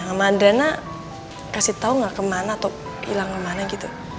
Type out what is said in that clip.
mama adriana kasih tau gak kemana atau ilang kemana gitu